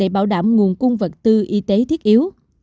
bảo đảm nguồn cung vật tư y tế thiết yếu